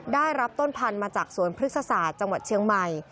ได้รับต้นพันธุ์มาจากสวนพฤกษศาสตร์จังหวัดเชียงใหม่